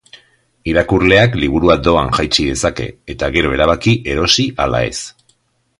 Irakurleak liburua doan jaitsi dezake, eta gero erabaki erosi ala ez.